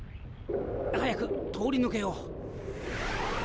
早く通り抜けよう。